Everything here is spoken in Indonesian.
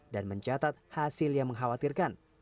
dan mencatat hasil yang mengkhawatirkan